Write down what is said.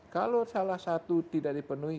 kalau salah satu tidak dipenuhi